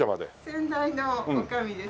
先代の女将です。